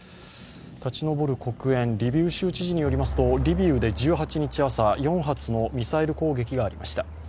立ち上る黒煙、リビウ州知事によりますとリビウで１８日朝、４発のミサイル攻撃がありました。